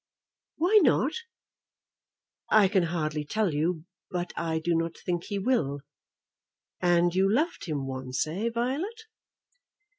"Why not?" "I can hardly tell you; but I do not think he will. And you loved him once, eh, Violet?"